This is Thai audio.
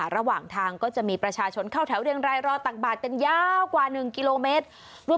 ระหว่างทางก็จะมีประชาชนเข้าแถวเรียงรายรอตักบาดกันยาวกว่า๑กิโลเมตร